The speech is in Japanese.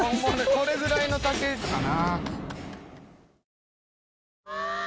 これぐらいの丈かな。